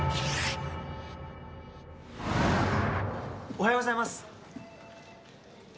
おはようございます。